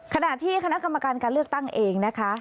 ขณะที่คณะกรรมการการเลือกตั้งเองนะคะ